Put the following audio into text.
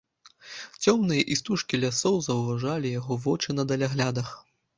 Цёмныя істужкі лясоў заўважалі яго вочы на даляглядах.